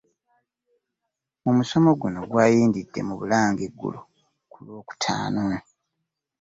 Mu musomo guno ogwayindidde mu Bulange eggulo ku Lwokutaano.